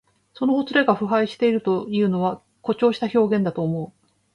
そのほつれが腐敗しているというのは、誇張した表現だと思う。